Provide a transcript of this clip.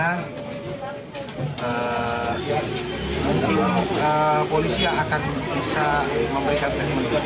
mungkin polisi akan bisa memberikan statement